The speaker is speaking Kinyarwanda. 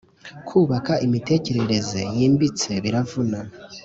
kubaka imitekerereze yimbitse biravuna